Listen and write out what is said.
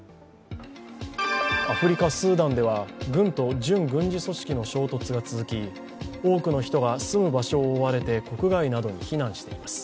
アフリカ・スーダンでは軍と準軍事組織の衝突が続き、多くの人が住む場所を追われて国外などに避難しています。